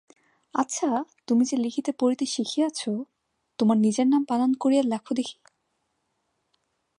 আচ্ছা, তুমি যে লিখিতে-পড়িতে শিখিয়াছ, তোমার নিজের নাম বানান করিয়া লেখো দেখি।